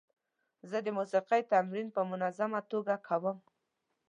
زه د موسیقۍ تمرین په منظمه توګه کوم.